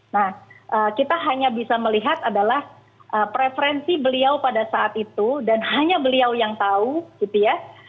nah kita hanya bisa melihat adalah preferensi beliau pada saat itu dan hanya beliau yang tahu gitu ya